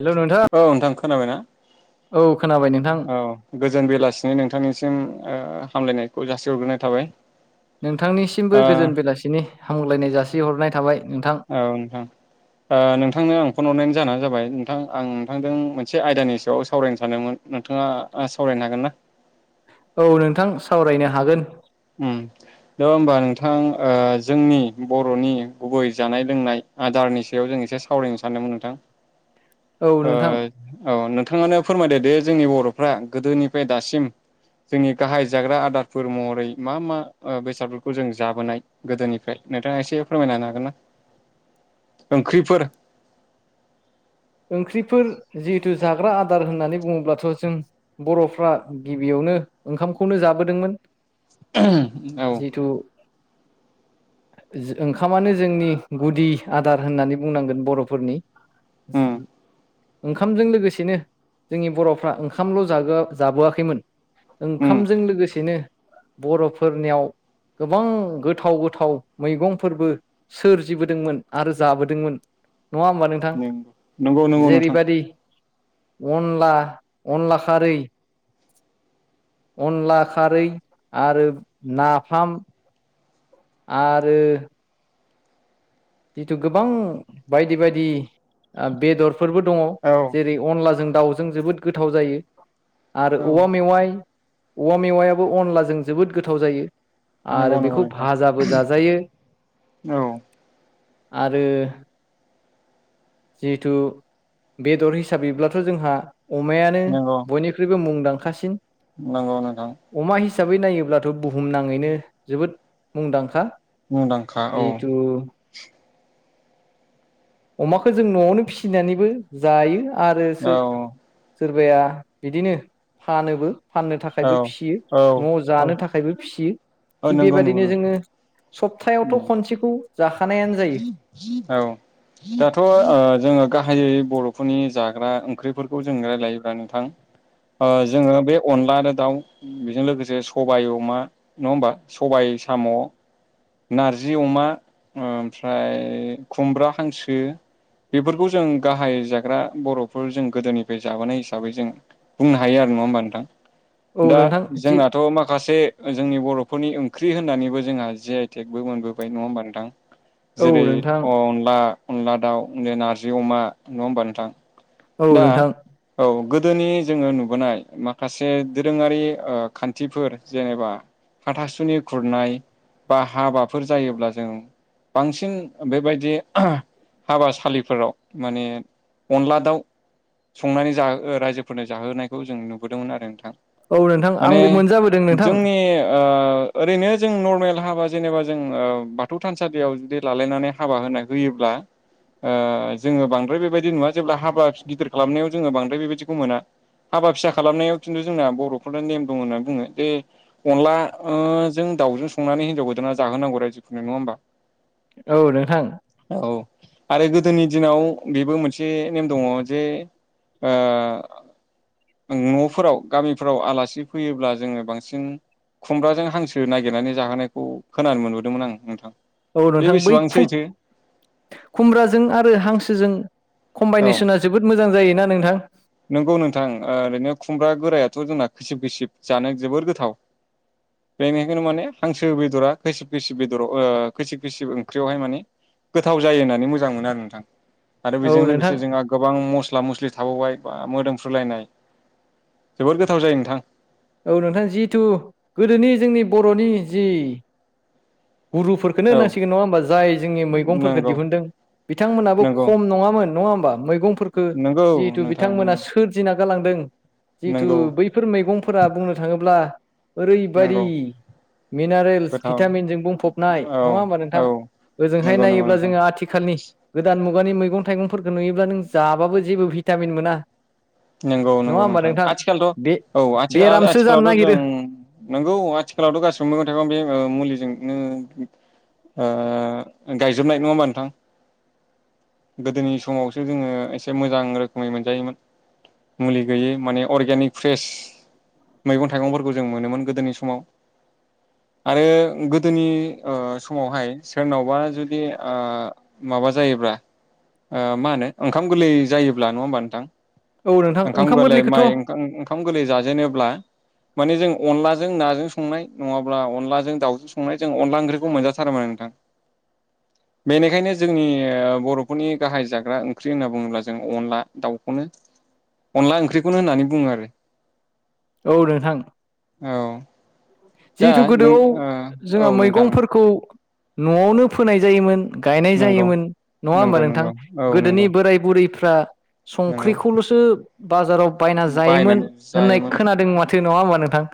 Hello नोंथां औ नोंथां खोनाबायना। औ खोनाबाय नोंथां औ गोजोन बेलासिनि नोंथांनिसिम हामलायनायखौ जासिहरग्रोनाय थाबाय। नोंथांनिसिमबो ओ गोजोन बेलासिनि हामगलायनाय जासिहरनाय थाबाय। नोंथां औ नोंथां नोंथांनो आं फन हरनायनि जाहोनानो जाबाय नोंथां आं नोंथांजों मोनसे आयदानि सायाव सावरायनो सानदोंमोन नोंथाङा सावरायनो हागोन ना। [inaudible] औ नोंथां सावरायनो हागोन। दङ हबा नोंथां जोंनि बर'नि गुबै जानाय लोंनाय आदारनि सायाव जों एसे सावरायनो सानदोंमोन नोंथां औ नोंथां औ नोंथाङानो फोरमायदो दे जोंनि बर'फ्रा गोदोनिफ्राय दासिम जोंनि गाहाय जाग्रा आदारफोर महरै मा मा बेसादफोरखौ जों जाबोनाय गोदोनिफ्राय नोंथाङा एसे फोरमायना हागोन ना ओंख्रिफोर ओंख्रिफोर जिहेथु जाग्रा आदार होननानै बुङोब्लाथ' जों बर'फ्रा गिबियावनो नो ओंखामखौनो जाबोदोंमोन। औ जिहेथु ओंखामानो जोंनि गुदि आदार होननानै बुंनांगोन बर'फोरनि उम ओंखामजों लोगोसेनो जोंनि बर'फ्रा ओंखामल' जआ जाबोआखैमोन उम ओंखामजों लोगोसेनो बर'फोरनियाव गोबां गोथाव गोथाव मैगंफोरबो सोरजिबोदोंमोन आरो जाबोदोंमोन। नङा होमबा नोंथां? नंगौ नंगौ नोंथां। जेरैबायदि अनला अनला खारै अनला खारै आरो नाफाम आरो जिथु गोबां बायदि बायदि बेदर फोरबो दङ औ जेरै अनलाजों दाउजों जोबोद गोथाव जायो। आरो औ औवा मेवाइ औवा मेवायाबो अनला जों जोबोद गोथाव जायो। नंगौ आरो नंगौ बेखौ नोंथां भाजाबो जाजायो। औ आरो जिहेथु बेदर हिसाबैब्लाथ' जोंहा अमायानो नंगौ बयनिख्रुइबो मुं लांसिन नंगौ नोंथां अमा हिसाबै नायोब्ला बुहुमनााङैनो जोबोद मुंदांखा मुंदांखा औ। जिहेथु अमाखौ जों न'आवनो फिसिनानैबो जायो आरो सोर सोर? औ सोरबाया बिदिनो फानोबो। फाननो औ थाखायबो फियो न'आव औ जानो थाखायबो फियो औ थिग नंगौ नंगौ बेबदिनो नोंथां जोङो सप्तायावथ' खनसेखौ जाखानायानो जायो। औ दाथ' जोङो गाहायै बर'फोरनि जाग्रा ओंख्रिफोरखौ जों राय्लायोब्ला नोंथां जोङो बे अनला आरो दाउ बेजों लोगोसे सबायाइ अमा नङा होमबा सबाय साम' नारजि अमा ओमफ्राय खुमब्रा हांसो बेफोरखौ जों गाहाय जाग्रा बर'फोर जों गोदोनिफ्राय जाबोनाय हिसाबै जों बुंनो हायो आरो नङा होमबा नोंथां औ दा नोंथां जि जोंनाथ' माखासे जोंनि बर' फोरनि ओंख्रि होननानैबो जोंहा जिे आइ टेकबो मोनबोबाय नङा होमबा नोंथां। औ जेरै नोंथां अ अनला अनला दाउ नारजि अमा नङा होमबा नोंथां। औ दा नोंथां औ गोद गोदोनि जोङो नुबोनाय माखासे दोरोङारि खान्थिफोर जेनेबा हाथासुनि खुरनाय बा हाबाफोर जायोब्ला जों बांसिन बेबायदि हाबासालिफोराव माने अनला दाउ संनानै जोहो रायजोफोरनो जाहोनायखौ जों नुबोदोंमोन आरो नोंथां औ नोंथां माने आंबो मोनजाबोदों नोंथां जोंनि ओ ओरैनो जों नरमेल हाबा जेनेबा जों ओ बाथौ थानसालियाव जुदि लालायनानै हाबा होनाय होयोब्ला ओ जोङो बांद्राय बेबायदि नुवा जेब्ला हाबा गिदिर खालामनायाव जोङो बांद्राय बेबायदिखौ मोना हाबा फिसा खालामनायाव खिन्थु जोंना बरफोरना नेम दं होननानै बुङो जे अनला ओ जों दाउजों संनानै हिनजाव गोदाना जाहोनांगौ रायजोफोरनो नङा होमबा? औ नोंथां। औ आरो गोदोनि दिनाव बेबो मोनसे नेम दङ जे ओ नफोराव गामिफोराव आलासि फैयोब्ला जोङो बांसिन खुमब्राजों हांसो नागिरनानै जाहोनायखौ खोनानो मोनबोदोंमोन आं नोंथां। औ बे नोंथां बै बेसेबां खुम सैथो खुमब्राजों आरो हांसोजों औ कम्बाइनेसना जोबोद मोजां जायोना नोंथां। नंगौ नोंथां ओरैनो खुमब्रा बोरायाथ' जोंना खैसिब खैसिब जानो जोबोर गोथाव। बेनिखायनो माने हांसो बेदरा खैसिफ खैसिब बेदराव ओ खैसिफ खैसिब ओंख्रियावहाय माने गोथाव जायो होननानै मोजां मोनो आरो नोंथां आरो औ बेजों नोंथां लोगोसे जोंहा गोबां मस्ला मस्लि थाबावबाय बा मोदोमफ्रुलायनाय जोबोद गोथाव जायो नोंथां। औ नोंथां जिहथु गोदोनि जोंनि बर'नि जि गुरुफोरखौनो औ होननांसिगोन नङा होमबा जाय जोंनि मैगंफोरखौ नंगौ दिहुनदों बिथांमोनाबो नंगौ खम नङामोन नङा होम मैगंफोरखौ नंगौ जिहेथु नोंथां बिथांमोना नंगौ सोरजिना गालांदों जिहेथु नंगौ बैफोर मैगंफोरा बुंनो थाङोब्ला ओरैबायदि नंगौ मिनारेल्स गोथाव भिटामिनजों बुंफबनाय औ नङा होमबा नोंथां? औ ओजोंहाय नंगौ नंगौ नायोब्ला नोंथां जोङो आथिखालनि गोदान मु गानि मैगं थाइगंफोरखौ नुयोब्ला नों जाबाबो जेबो भिटामिन मोना। नंगौ नङा नंगौ होमबा नोंथां आथिखालथ' बे औ बेरामसो जानो आथिखालावथ' जों नागिरो नोंगौ आथिलावथ' गासिबो मैगं थाइगं बे ओ मुलि ओ गायजोबनाय नङा होमबा नोंथां? गोदोनि समावसो जोङो एसे मोजां रोखोमै मोनजायोमोन। मुलि होयि माने अर्गेनिक फ्रेस मैगं थाइगंफोरखौ जों मोनोमोन गोदोनि समाव। आरो गोदोनि समावहाय सोरनावबा जुदि दि ओ माबा जायोब्ला ओ मा होनो ओंखाम गोरलै जायोब्ला नङा होमबा नोंथां? औ नोंथां ओंखाम गोरलै गोरलैखौथ' माइ ओंखाम गोरलै जाजेनोब्ला माने जों अनलाजों नाजों संनाय नङाब्ला अनलाजों दाउजों संनाय जों अनला ओंख्रिखौ मोनजाथारोमोन नोंथां। [inaudible] बेनिखायनो जोंनि बर'फोरनि गाहाय जाग्रा ओंख्रि होनना बुङोब्ला जों अनला दाउखौनो अनला ओंख्रिखौनो होननानै बुङो आरो। औ नोंथां। औ दा जिहेथु नों गोदोआव ओ जोंहा औ नोंथां मैगंफोरखौ न'आवनो फोनाय जायोमोन। गायनाय नंगौ जायोमोन नङा होमबा नंगौ नोंथां? नंगौ औ गोदोनि नंगौ बोराय बुरैफ्रा नंगौ संख्रिखौलसो बाजाराव बायना जायोमोन बायनानै होननाय जायोमोन खोनादों माथो नङा नोंथां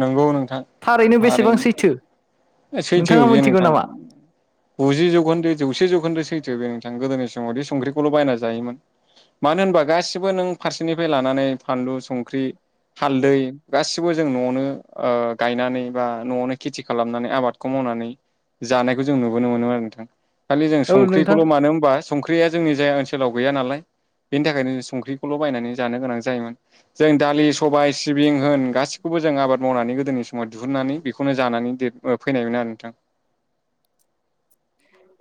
नंगौ नों। थारैनो बेसेबां सैथो। सैथो नोंथाङा बेयो मोनथिगौ नोंथां नामा गुजि जौखोन्दो जौसे जौखोन्दो सैथो बेयो नोंथां गोदोनि। [unintelligible] संख्रिखौल बायना जायोमोन। मानो होनबा गासिबो नों फारसेनिफ्राय लानानै फानलु संख्रि। हालदै गासिबो जों न'आवनो ओ गायनानै बा न'आवनो खेथि खालामनानै आबादखौ मावनानै जानायखौ जों नुबोनो मोनोम आरो नोंथां। खालि जों औ नोंथां संख्रिखौल' मानो होनबा संख्रिया जोंनि जायहा ओनसोलाव गैया नालाय बेनि थाखायनो संख्रिखौल' बायनानै जानो गोनां जायोमोन जों दालि सबाय सिबिं होन गासिखौबो खौबो जों आबाद मावनानै गोदोनि समाव दिहुननानै बेखौनो जानानै देर फैनायमोन आरो नोंथां।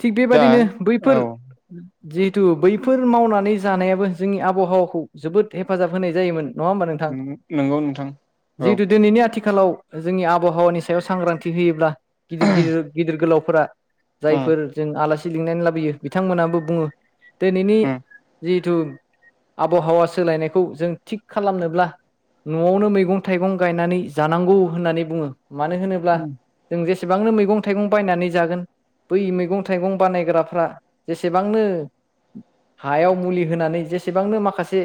थिग दा बेबादिनो बैफोर औ जिहेतु बैफोर मावनानै जानायाबो जोंनि आबहावाखौ जोबोद हेफाजाब होनाय जायोमोन। नङा होमबा नोंथां नंगौ नोंथां औ जिहेथु दिनैनि आथि आथिखालाव जोंनि आबहावानि सायाव सांग्रांथि होयोब्ला गिदिर गिदिर गिदिर गोलावफोरा जायफोर जों आलासि लिंनानै लाबोयो बिथांमोनाबो बुङो दिनैनि उम जि जिथु आबहावा सोलायनायखौ जों थिग खालामनोब्ला न'आवनो मैगं थाइगं गायनानै जानांगौ होननानै बुङो मानो होनोब्ला उम जों जेसेबांनो मैगं थाइगं बायनानै जागोन बै मैगं थाइगं बानायग्राफ्रा जेसेबांनो हायाव मुलि होनानै जेसेबांनो माखासे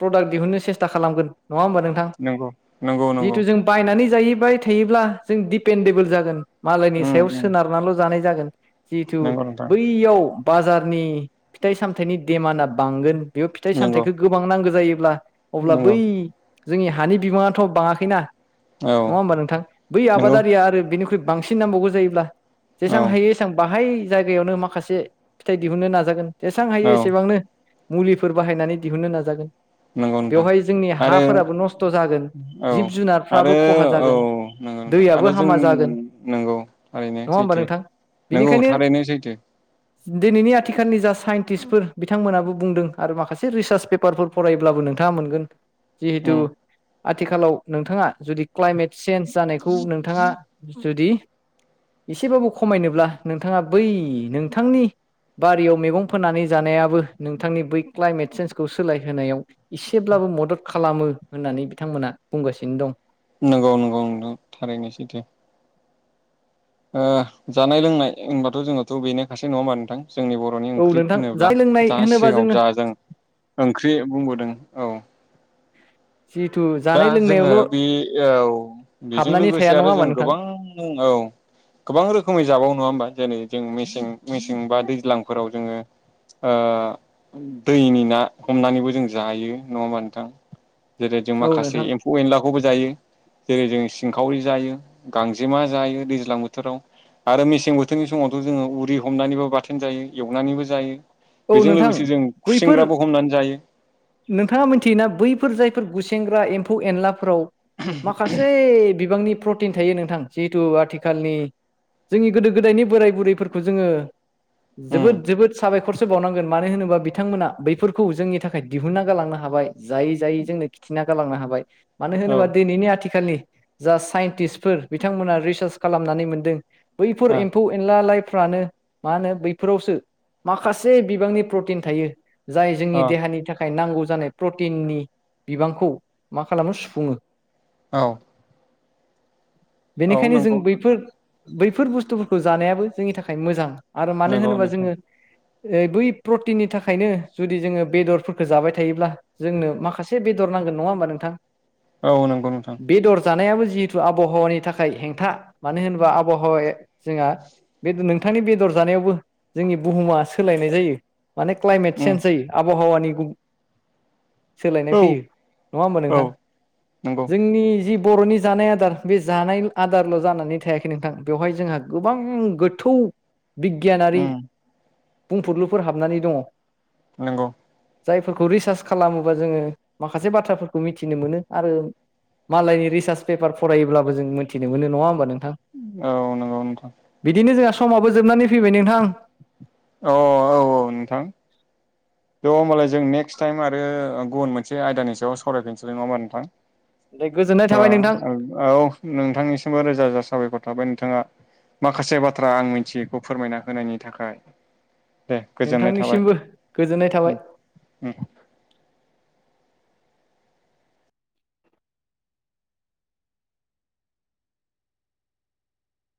प्रडाक्ट दिहुननो सेस्था खालामगोन नङा होमबा नोंथां नंगौ नंगौ नंगौ जिथु जों बायनानै जाहैबाय थायोब्ला जों दिपेडेबोल जागोन मालायनि उम सायाव उम सोनारनानैल' जानाय जागोन जिहेथु नंगौ नोंथां बैयाव बाजारनि फिथाइ सामथाइनि देमानआ बांगोन बेयाव फिथाइ नंगौ सामथायाइखौ गोबां नांगौ जायोब्ला अब्ला नंगौ बै जोंनि हानि बिबाङाथ' बाङाखैना औ नङा होमबा नोंथां बै नंगौ आबादारिया आरो बेनिख्रुइ बांसिन नांबावगौ जायोब्ला औ जेसां हायो एसबां बाहाय जायगायावनो माखासे फिथाइ दिहुननो नाजागोन जेसबां हायो औ एसेबांनो मुलिफोर बाहायनानै दिहुननो नाजागोन नंगौ नोंथां बेवहाय जोंनि आरो हाफोराबो नस्थ' जागोन औ जिब आरो जुनारफ्राबो खहा औ जागोन नंगौ नोंथा दैयाबो आरो जों हामा जागोन नंगौ ओरैनो नङा होमबा सैथो नोंथां नंगौ बेनिखायनो थारैनो सैथो दिनैनि आथिखालनि जा साइन्टिस्टफोर बिथांमोनाबो बुंदों आरो माखासे रिसार्च पेपारफोर फरायब्लाबो नोंथाङा मोनगेन जिहेटु उम आथिखालाव नोंथाङा जु काइमेट चेन्ज जानायखौ नोंथाङा जुदि एसेबाबो खमायनोब्ला नोंथाङा बै नोंथांनि बारियाव मैगं फोननानै जानायाबो नोंथांनि बै क्लाइमेट सेेन्जखौ सोलायहोनायाव एसेब्लाबो मदद खालामो होननानै बिथांमोना बुंगासिनो दं नंगौ नंगौ नों थारैनोसै दो जानाय लोंनाय होनबाथ' जोंनथ' बेनो खाासो नङा होनोमबा नोंथां जोंनि बर'नि औ ओंख्रि नोंथां होनोब्ला जानाय लोंनाय जा होनोबा सिगाङाव जोङो जा जों ओंख्रि बुंबोदों औ जिहेथु दा जानाय जोङो लोंनायावल' बे औ बेजों हाबनानै लोगोसे थाया आरो नङा होमबा जों नोंथां गोबां औ गोबां रोखोमै जाबावो नङा होमबा जेरै जों मेसें मेसें बा दैज्लांफोराव जोङो दैनि ना हमनानैबो जों जायो नङा होमबा नोंथां जेरै जों औ माखासे नोंथां एम्फौ एनलाखौबो जायो जेरै जों सिंखावरि जायो गांजेमा जायो दैज्लां बोथोराव आरो मेसें बोथोरनि समावथ' जोङो उरि हमनानैबो बाथोन जायो एवनानैबो जायो औ बेजों नोंथां लोगोसे जों बैफोर खुसेंग्राबो हमनानै जायो नोंथाङा मिथियोना बैफोर जाय गुसेग्रा एम्फौ एनलाफोराव मासे बिबांनि प्रटिन थायो नोंथां जिहेतु आथिखालनि जोंनि गोदो गोदायनि बोराय बुरैफोरखौ जोङो उम जोबोद जोबोद साबायखर बावनांगोन मानो होनोबा बिथांमोना बैफोरखौ जोंनि थाखाय दिहुनना गालांनो हाबाय जायै जायै जोंनो खिथिना गालांनो हाबाय मानो औ होनोबा दिनैनि आथिखाल आथिखालनि जा साइन्टिस्फोर बिथांमोना रिसार्च खालामनानै मोनदों बैफोर ओ एम्फौ एनला लाइफ्रानो मा होनो बैफोरावसो माखासे माखासे बिबांनि प्रटिन थायो जाय जोंनि अ देहानि थाखाय थाखाय नांगौ जानाय प्रटिननि बिबांखौ मा खालामनो सुफुङो औ। औ बेनिखायनो जों नंगौ बैफोर नोंथां बैफोर बुस्थुफोरखौ जानायाबो जोंनि थाखाय मोजां आरो मानो नंगौ होनोबा नोंथां जोङो बै प्रटिननि थाखायनो जुदि जोङो बेदरफोरखौ जाबाय थायोब्ला जोंनो माखासे बेदर ना नांगोनङा होमा नोंथां? औ नंगौ नोंथां। बेदर जानायाबो जिहेथु आबहावानि थाखाय हेंथा मानो होनोबा आबहावाया जोंहा बे नोंथांनि बेदर जानायावबो जोंनि बुहुमा सोलायनाय जायो माने क्लाइमेट उम चेन्ज जायो आबहावानि सोलायनाय औ फैयो नङा होमबा औ नोंथां नंगौ जोंनि जि बर'नि जानाय आदार बे जानाय आदारल' जानानै थायाखै नोंथां बेवहाय जोंहा गोबां गोथौ बिगियानारि उम बुंफोरलुफोर हाबनानै दङ। नंगौ। जायफोरखौ रिसार्च खालामोबा जोङो माखासे बाथ्राफोरखौ मिथिनो मोनो आरो मालायनि रिसार्च पेपार फरायोब्लाबो जों मिथिनो मोन नङा होनोमबा नों? औ नंगौ नोंथां। जोंहा समाबो जोबनानै फैबाय नोंथां। औ औ औ नोंथां। ज' होमबालाय जों नेक्स्ट टाइम आरो गुबुन मोनसे आयदानि सायाव सावरायफिनसै नङा होमबा नोंथां? गोजोननाय थाबाय नोंथां ओ औ नोंथांनिसिमबो रोजा रोजा साबायखर थाबाय नोंथाङा माखासे बाथ्रा आं मिथियैखौ फोरमायना होनायनि थाखाय दे गोजोननाय थाबाय। नोंथांनिसिमबो गोजोननाय थाबाय।